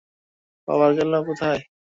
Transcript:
পাওয়ার গেল কোথায়?